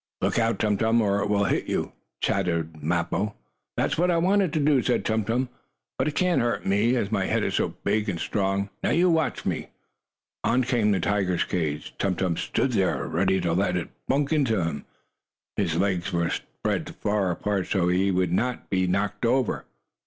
"Look out, Tum Tum, or it will hit you!" chattered Mappo. "That's what I want it to do," said Tum Tum. "But it can't hurt me, as my head is so big and strong. Now you watch me!" On came the tiger's cage. Tum Tum stood there ready to let it bunk into him. His legs were spread far apart so he himself would not be knocked over.